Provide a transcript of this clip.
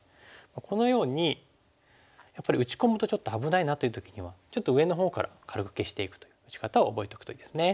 このようにやっぱり打ち込むとちょっと危ないなっていう時にはちょっと上のほうから軽く消していくという打ち方を覚えておくといいですね。